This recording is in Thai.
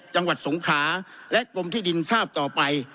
สงขาและกรมที่ดินทราบต่อไป